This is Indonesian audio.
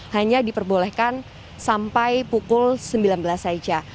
hanya diperbolehkan sampai pukul sembilan belas saja